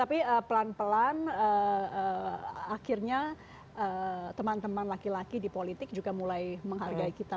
tapi pelan pelan akhirnya teman teman laki laki di politik juga mulai menghargai kita